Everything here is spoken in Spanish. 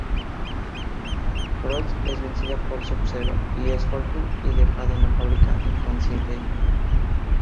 Frost es vencida por Sub-Zero y Scorpion, y dejada en la fábrica, inconsciente.